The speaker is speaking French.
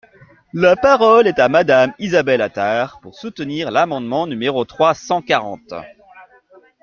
La parole est à Madame Isabelle Attard, pour soutenir l’amendement numéro trois cent quarante.